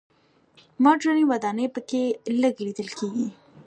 مډرنې ودانۍ په کې لږ لیدل کېږي.